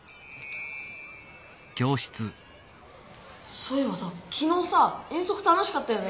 そうえいばさきのうさ遠足楽しかったよね。